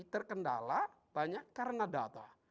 terkendala banyak karena data